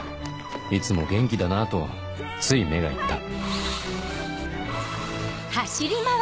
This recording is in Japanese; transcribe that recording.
いつも元気だなとつい目が行った